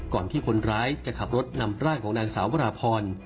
ก่อนที่คนร้ายจะขับรถนำร่างของนางสาววราพร